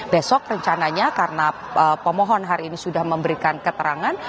besok rencananya karena pemohon hari ini sudah memberikan keterangan